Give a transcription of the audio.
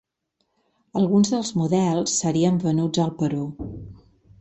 Alguns dels models serien venuts al Perú.